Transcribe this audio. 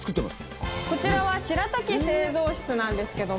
こちらはしらたき製造室なんですけども。